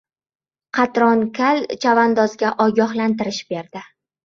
Qatron kal chavandozga ogohlantirish berdi: